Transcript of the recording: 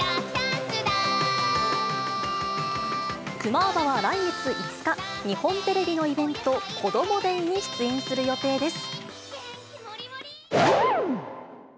クマーバは来月５日、日本テレビのイベント、こどもｄａｙに出演する予定です。